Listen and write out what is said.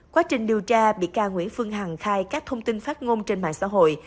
quá trình điều tra bị ca nguyễn phương hằng khai các thông tin phát ngôn trên mạng xã hội